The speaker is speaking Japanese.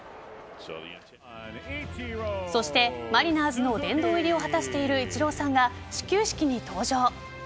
そしてマリナーズの殿堂入りを果たしているイチローさんが始球式に登場。